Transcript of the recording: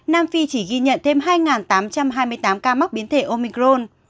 nam phi chỉ ghi nhận thêm hai tám trăm hai mươi tám ca mắc biến thể omicron